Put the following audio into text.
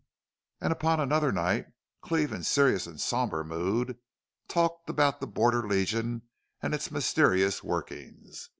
And upon another night Cleve in serious and somber mood talked about the Border Legion and its mysterious workings.